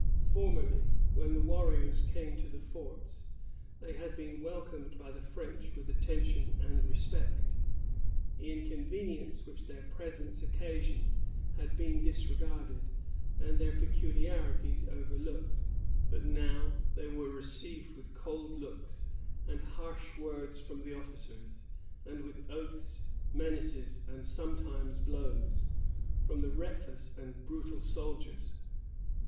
Formerly, when the warriors came to the forts, they had been welcomed by the French with attention and respect. The inconvenience which their presence occasioned had been disregarded, and their peculiarities overlooked. But now they were received with cold looks and harsh words from the officers, and with oaths, menaces, and sometimes blows, from the reckless and brutal soldiers.